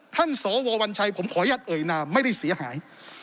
สววัญชัยผมขออนุญาตเอ่ยนามไม่ได้เสียหาย